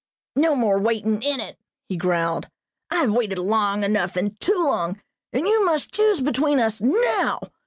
"No more waitin' in it," he growled. "I have waited long enough, and too long, and you must choose between us now.